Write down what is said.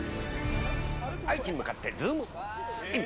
愛知に向かってズームイン！！